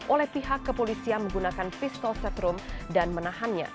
oleh pihak kepolisian menggunakan pistol setrum dan menahannya